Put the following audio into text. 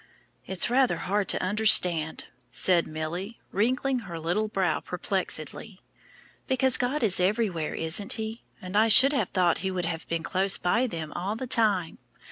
"It's rather hard to understand," said Milly, wrinkling her little brow perplexedly, "because God is everywhere, isn't He? and I should have thought He would have been close by them all the time.